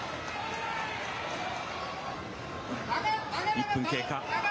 １分経過。